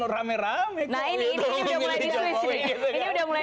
rame rame nah ini udah mulai